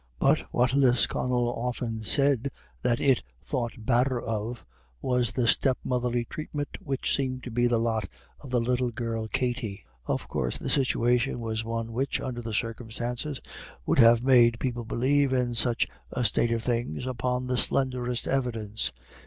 But what Lisconnel often said that it "thought badder of" was the stepmotherly treatment which seemed to be the lot of the little girl Katty. Of course the situation was one which, under the circumstances, would have made people believe in such a state of things upon the slenderest evidence.